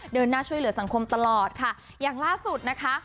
เดินหน้าช่วยเหลือสังคมตลอดค่ะอย่างล่าสุดนะคะ